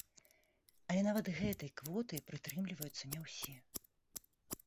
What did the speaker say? Але нават гэтай квоты прытрымліваюцца не ўсе.